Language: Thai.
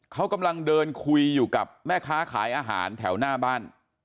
เขากำลังเดินคุยอยู่กับแม่ค้าขายอาหารแถวหน้าบ้าน